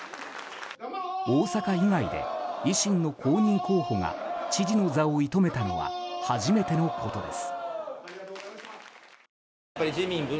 大阪以外で維新の公認候補が知事の座を射止めたのは初めてのことです。